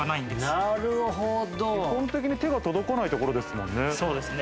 基本的に手が届かないところですもんね。